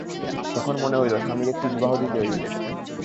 তখন মনে হইল, স্বামীর একটি বিবাহ দিতে হইবে।